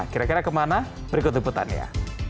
kira kira kemana berikut liputannya